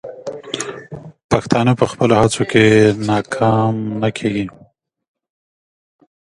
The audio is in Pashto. پښتانه په خپلو هڅو کې ناکام نه کیږي.